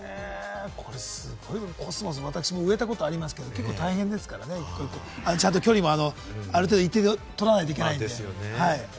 コスモス、私も植えたことありますけれども、結構大変ですからね、ちゃんと距離も一定程度、取らなきゃいけないんで。